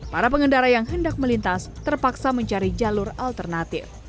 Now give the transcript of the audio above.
para pengendara yang hendak melintas terpaksa mencari jalur alternatif